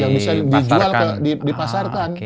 yang bisa dijual dipasarkan